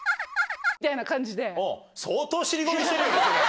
みたいな感じで。